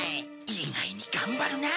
意外に頑張るなあ。